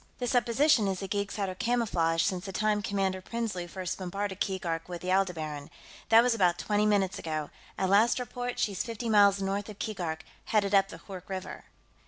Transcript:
The supposition is the geeks had her camouflaged since the time Commander Prinsloo first bombarded Keegark with the Aldebaran. That was about twenty minutes ago; at last report, she's fifty miles north of Keegark, headed up the Hoork River."